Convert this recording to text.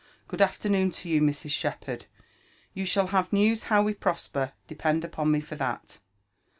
Good afternooD to youi Mrs. Shepherd : you shall have news how we prosper, depend upon me for that."